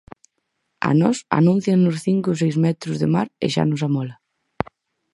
A nós anúnciannos cinco ou seis metros de mar e xa nos amola.